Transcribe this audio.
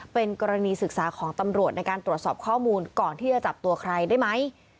เป็นกรณีศึกษาของตำรวจในการตรวจสอบข้อมูลก่อนที่จะจับตัวใครได้ไหม